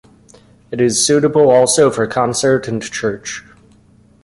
It is suitable also for concert and church.